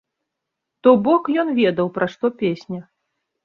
То бок ён ведаў пра што песня.